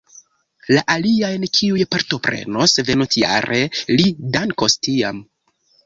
La aliajn, kiuj partoprenos venontjare, li dankos tiam.